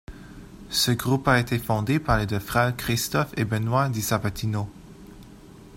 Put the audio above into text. Ce groupe a été fondé par les deux frères Christophe et Benoît Di Sabatino.